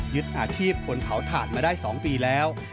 ยึดอาชีพคนเผาถ่านมาได้๒ปีแล้ว